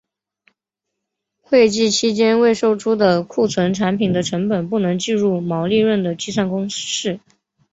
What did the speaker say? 会计期内未售出的库存产品的成本不能计入毛利润的计算公式。